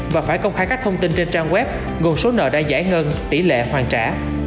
và phải công khai các thông tin trên trang web gồm số nợ đã giải ngân tỷ lệ hoàn trả